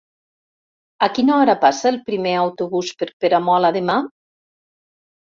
A quina hora passa el primer autobús per Peramola demà?